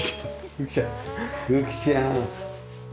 うきちゃん。